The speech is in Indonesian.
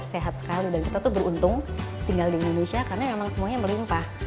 sehat sekali dan kita tuh beruntung tinggal di indonesia karena memang semuanya melimpah